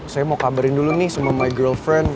saya mau kabarin dulu nih sama my girlfriend